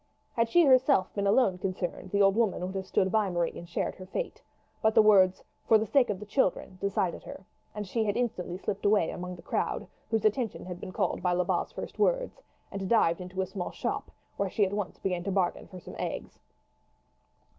Had she herself been alone concerned, the old woman would have stood by Marie and shared her fate; but the words "for the sake of the children" decided her, and she had instantly slipped away among the crowd, whose attention had been called by Lebat's first words, and dived into a small shop, where she at once began to bargain for some eggs.